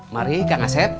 mari kang asep